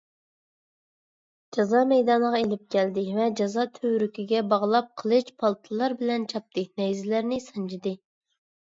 جازا مەيدانىغا ئېلىپ كەلدى ۋە جازا تۈۋرۈكىگە باغلاپ قىلىچ، پالتىلار بىلەن چاپتى، نەيزىلەرنى سانجىدى.